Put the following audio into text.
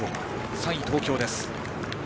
３位、東京です。